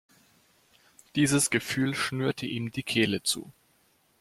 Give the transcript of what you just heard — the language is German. Dieses Gefühl schnürte ihm die Kehle zu.